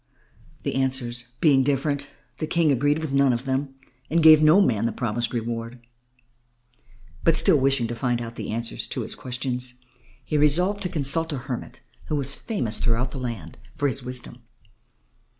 The answers being different, the King agreed with none of them and gave no man the promised reward. But still wishing to find out the answers to his questions, he resolved to consult a hermit who was famous throughout the land for his wisdom.